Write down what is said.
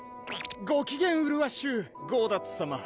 ご機嫌うるわしゅうゴーダッツさま